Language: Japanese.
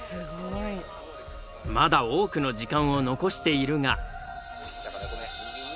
まだ多くの時間を残しているが。